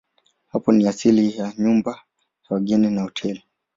Hapa ni asili ya nyumba ya wageni na hoteli.